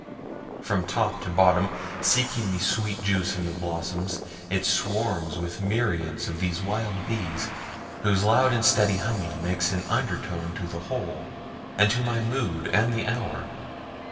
From top to bottom, seeking the sweet juice in the blossoms, it swarms with myriads of these wild bees, whose loud and steady humming makes an undertone to the whole, and to my mood and the hour.